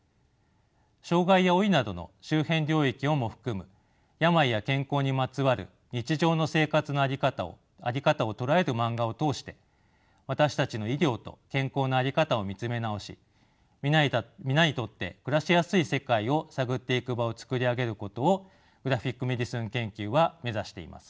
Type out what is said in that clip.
障がいや老いなどの周辺領域をも含む病や健康にまつわる日常の生活の在り方を捉えるマンガを通して私たちの医療と健康の在り方を見つめ直し皆にとって暮らしやすい世界を探っていく場を作り上げることをグラフィック・メディスン研究は目指しています。